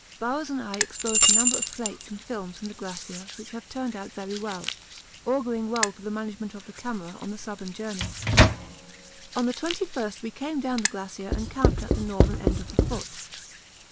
Bowers and I exposed a number of plates and films in the glacier which have turned out very well, auguring well for the management of the camera on the Southern journey. On the 21st we came down the glacier and camped at the northern end of the foot.